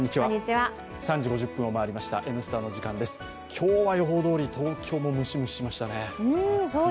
今日は予報どおり、東京もムシムシしましたね。